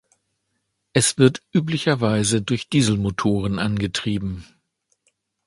Es wird üblicherweise durch Dieselmotoren angetrieben.